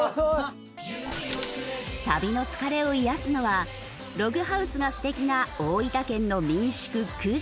旅の疲れを癒やすのはログハウスが素敵な大分県の民宿久住。